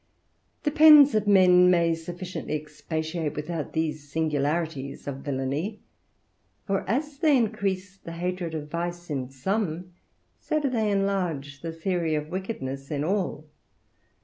The pens of men may sufficiently expatiate without these singularities of villainy; for as they increase the hatred of vice in some, so do they enlarge the theory of wickedness in all.